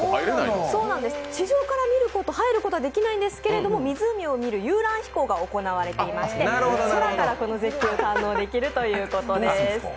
地上から見ること、入ることはできないんですけど、湖を見る遊覧飛行が行われていまして、空からこの絶景を堪能できるということです。